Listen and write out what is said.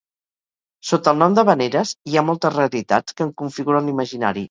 Sota el nom d'havaneres hi ha moltes realitats que en configuren l'imaginari.